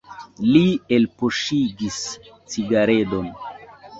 Li elpoŝigis cigaredon.